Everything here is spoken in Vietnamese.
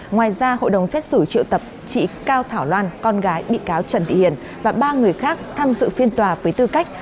ngoài ra hội đồng xét xử triệu tập chị cao thảo loan con gái bị cáo trần thị hiền và ba người khác tham dự phiên tòa với tư cách